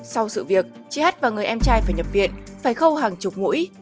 sau sự việc chị hát và người em trai phải nhập viện phải khâu hàng chục mũi